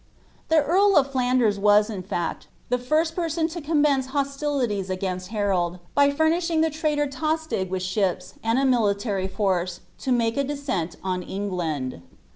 * The earl of Flanders was, in bet. the lir»t person to commence hostilities against Harold, by fumishiof ,tiie traitor Tostig with ships, and a military force, (o make a descent a» England.